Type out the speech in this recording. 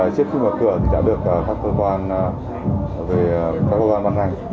chiếc khu vực cửa đã được các cơ quan văn hành